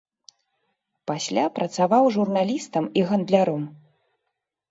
Пасля працаваў журналістам і гандляром.